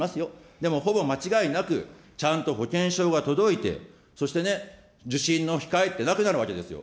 でもほぼ間違いなく、ちゃんと保険証が届いて、そしてね、受診の控えってなくなるわけですよ。